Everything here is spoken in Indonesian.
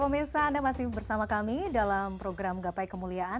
pemirsa anda masih bersama kami dalam program gapai kemuliaan